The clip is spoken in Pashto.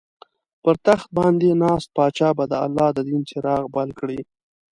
پر تخت باندې ناست پاچا به د الله دین څراغ بل کړي.